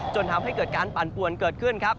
จนทำให้เกิดการปั่นปวนเกิดขึ้นครับ